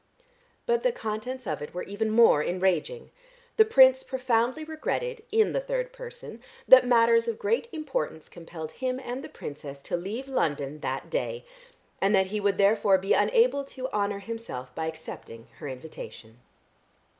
But the contents of it were even more enraging. The Prince profoundly regretted, in the third person, that matters of great importance compelled him and the Princess to leave London that day, and that he would therefore be unable to honour himself by accepting her invitation.